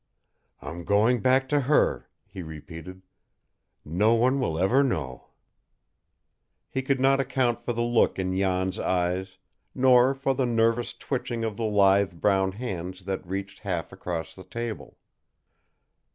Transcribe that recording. "I am going back to her," he repeated. "No one will ever know." He could not account for the look in Jan's eyes nor for the nervous twitching of the lithe brown hands that reached half across the table.